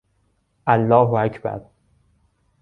الله اکبر